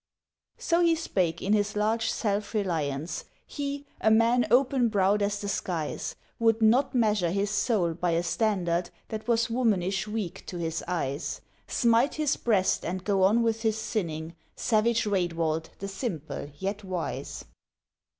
So he spake in his large self reliance, he, a man open browed as the skies; Would not measure his soul by a standard that was womanish weak to his eyes, Smite his breast and go on with his sinning, savage Raedwald, the simple yet wise!